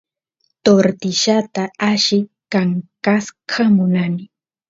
tortillata alli kankasqa munani